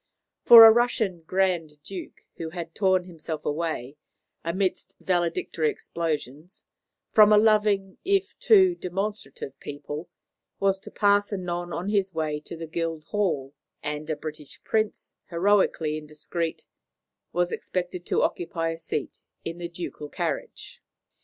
For a Russian Grand Duke, who had torn himself away, amidst valedictory explosions, from a loving if too demonstrative people, was to pass anon on his way to the Guildhall; and a British Prince, heroically indiscreet, was expected to occupy a seat in the ducal carriage.